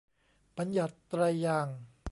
บัญญัติไตรยางค์